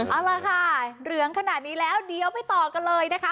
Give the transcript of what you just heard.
เอาล่ะค่ะเหลืองขนาดนี้แล้วเดี๋ยวไปต่อกันเลยนะคะ